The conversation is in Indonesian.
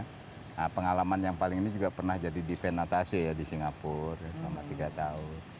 nah pengalaman yang paling ini juga pernah jadi defen natase ya di singapura selama tiga tahun